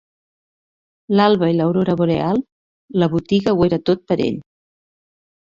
L'alba i l'aurora boreal; la botiga ho era tot pera ell.